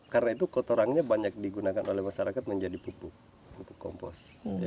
karena itu kotorannya banyak digunakan oleh masyarakat menjadi pupuk untuk kompos